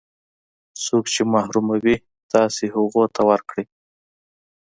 څوک چې محروموي تاسې هغو ته ورکړئ.